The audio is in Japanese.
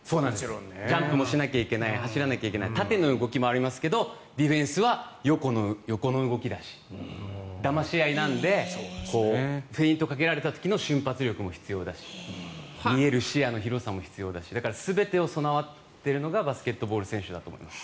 ダンクもしなきゃいけない走らなきゃいけない縦の動きもありますけどディフェンスは横の動きだしだまし合いなのでフェイントかけられた時の瞬発力も必要だし見える視野の広さも必要だし全てが備わっているのがバスケットボール選手だと思います。